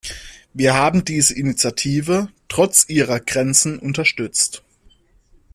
Wir haben diese Initiative trotz ihrer Grenzen unterstützt.